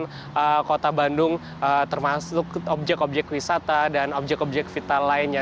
kawasan kota bandung termasuk objek objek wisata dan objek objek vital lainnya